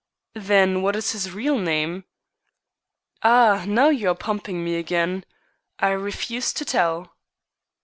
"Then what is his real name?" "Ah, now you are pumping me again. I refuse to tell."